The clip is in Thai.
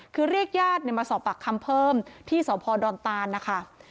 คือเรียกญาติมาสอบปากคำเพิ่มที่สพดอนตานนะคะ